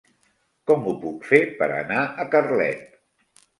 Com ho puc fer per anar a Carlet?